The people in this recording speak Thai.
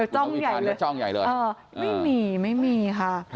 จ้องใหญ่เลยไม่มีไม่มีค่ะ